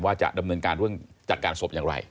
ว่าจะดำเนินการเรื่องจัดการศพอย่างไร